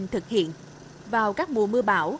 thực hiện vào các mùa mưa bão